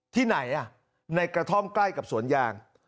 ที่ไหนในกระท่อมใกล้กับสวนยาง